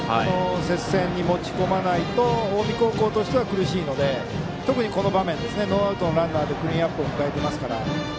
接戦に持ち込まないと近江高校としては苦しいので、特にこの場面ノーアウトのランナーでクリーンナップを迎えてますから。